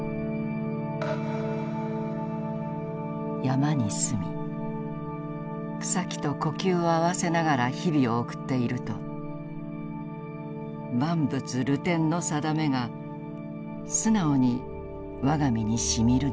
「山に住み草木と呼吸を合わせながら日々を送っていると万物流転の定めが素直に我が身にしみるのである」。